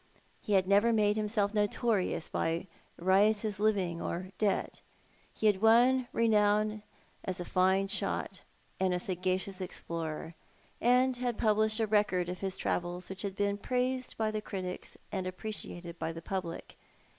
He had never made himself notorious by riotous living or debt. He had won renown as a fine shot and a sagacious explorer, and had published a record of his travels which bad been praised by the critics and appreciated by the public.